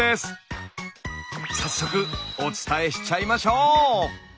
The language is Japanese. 早速お伝えしちゃいましょう！